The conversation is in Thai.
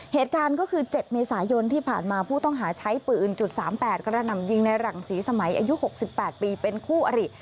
เหตุการณ์ก็คือ๗เมษายนที่ผ่านมาผู้ต้องหาใช้ปืน๓๘กระหน่ำยิงในหลังศรีสมัยอายุ๖๘ปีเป็นคู่อริ